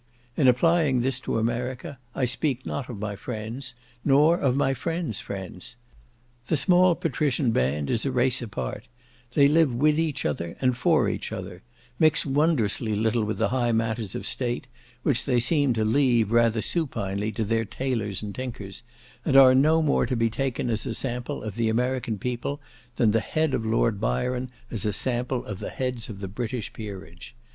In applying this to America, I speak not of my friends, nor of my friends' friends. The small patrician band is a race apart; they live with each other, and for each other; mix wondrously little with the high matters of state, which they seem to leave rather supinely to their tailors and tinkers, and are no more to be taken as a sample of the American people, than the head of Lord Byron as a sample of the heads of the British peerage.